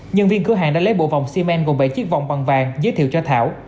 nhân viên cửa hàng đã lấy bộ vòng xi men gồm bảy chiếc vòng bằng vàng giới thiệu cho thảo